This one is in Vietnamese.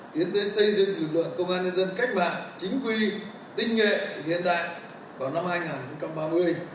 tiến tới xây dựng lực lượng công an nhân dân cách mạng chính quy tinh nhuệ hiện đại vào năm hai nghìn ba mươi